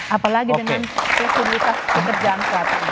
apalagi dengan fleksibilitas pekerjaan selatan